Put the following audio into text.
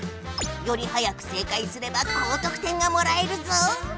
より早く正解すれば高とく点がもらえるぞ！